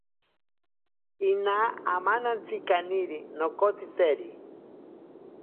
Ina amanantsi kaniri nokotsiteri.